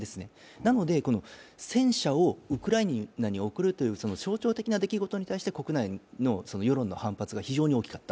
なので戦車をウクライナに送るという象徴的な出来事に対して国内の世論の反発が非常に大きかった。